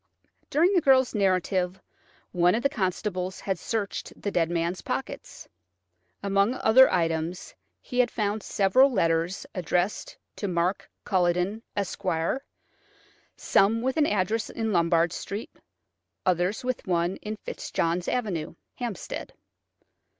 During the girl's narrative one of the constables had searched the dead man's pockets. Among other items, he had found several letters addressed to Mark Culledon, Esq., some with an address in Lombard Street, others with one in Fitzjohn's Avenue, Hampstead.